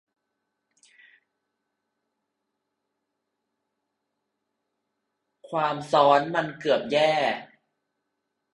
ความซัอนมันเกือบแย่